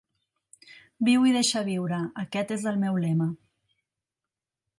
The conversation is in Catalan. Viu i deixa viure, aquest és el meu lema.